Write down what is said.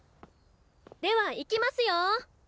ではいきますよ。